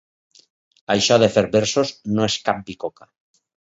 Això de fer versos no és cap bicoca.